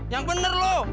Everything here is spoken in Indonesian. yang bener lo